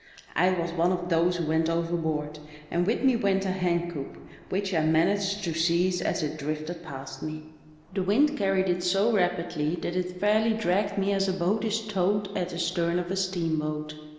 I was one of those who went overboard, and with me went a hencoop, which I managed to ^ize as it drifted past me. The wind carried it so CAUGHT IN A TYPHOON. 147 rapidly that it fairh^ dragged me as a boat is towed at the stern of a steamboat.